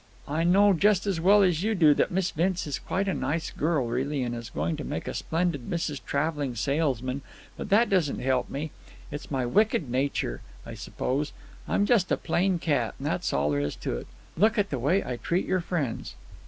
I know just as well as you do that Miss Vince is quite a nice girl really, and is going to make a splendid Mrs. Travelling Salesman, but that doesn't help me. It's my wicked nature, I suppose. I'm just a plain cat, and that's all there is to it. Look at the way I treat your friends!"